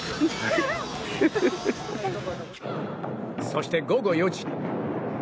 そして、午後４時。